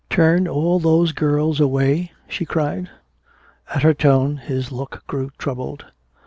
"Turn all those girls away?" she cried. At her tone his look grew troubled.